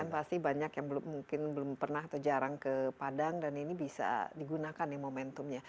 pasti banyak yang mungkin belum pernah atau jarang ke padang dan ini bisa digunakan ya momentumnya